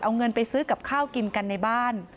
เอาเงินไปซื้อกับข้าวกินกันในบ้าน